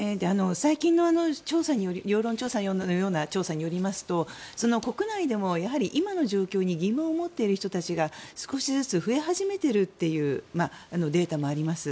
最近の世論調査のような調査によりますと国内でも今の状況に疑問を持っている人たちが少しずつ増え始めているというデータもあります。